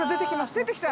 出てきた。